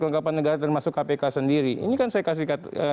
kelengkapan negara termasuk kpk sendiri ini kan saya kasih